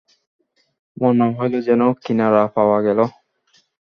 মনে হইল যেন কিনারা পাওয়া গেল।